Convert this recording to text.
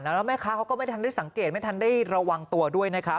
แล้วแม่ค้าเขาก็ไม่ทันได้สังเกตไม่ทันได้ระวังตัวด้วยนะครับ